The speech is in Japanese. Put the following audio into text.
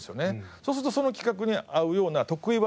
そうするとその企画に合うような得意技をこうずっと。